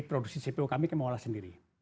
produksi cpo kami kami olah sendiri